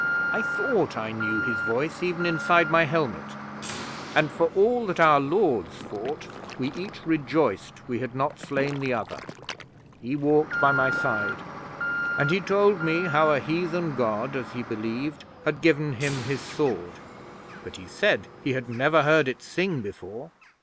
I thought I knew his voice even inside my helmet, and, for all that our Lords fought, we each rejoiced we had not slain the other. He walked by my side, and he told me how a Heathen God, as he believed, had given him his sword, but he said he had never heard it sing before.